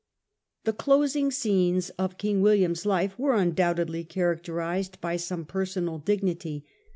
The closing scenes of King William's life were undoubtedly characterised by some personal dignity.